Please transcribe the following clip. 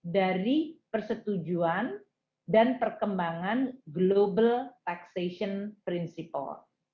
dari persetujuan dan perkembangan global taxation principle